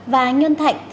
và nhơn thạnh tp hcm